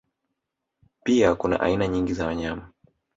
Pia kuna aina nyingi za wanyama